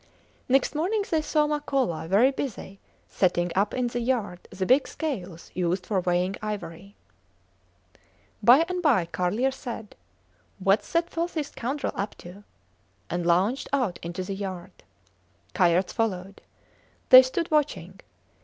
Next morning they saw Makola very busy setting up in the yard the big scales used for weighing ivory. By and by Carlier said: Whats that filthy scoundrel up to? and lounged out into the yard. Kayerts followed. They stood watching.